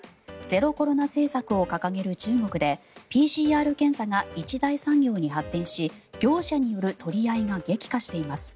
ゼロコロナ政策を掲げる中国でＰＣＲ検査が一大産業に発展し業者による取り合いが激化しています。